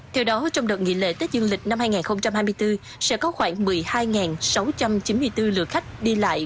theo đó trong đợt nghỉ lễ tết dương lịch năm hai nghìn hai mươi bốn sẽ có khoảng một mươi hai sáu trăm chín mươi bốn lượt khách đi lại